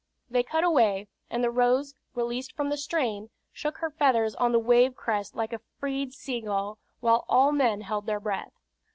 They cut away, and the Rose, released from the strain, shook her feathers on the wave crest like a freed sea gull, while all men held their breath.